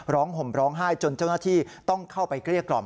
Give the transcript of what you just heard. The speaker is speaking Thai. ห่มร้องไห้จนเจ้าหน้าที่ต้องเข้าไปเกลี้ยกล่อม